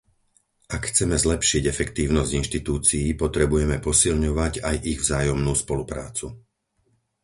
Ak chceme zlepšiť efektívnosť inštitúcií, potrebujeme posilňovať aj ich vzájomnú spoluprácu.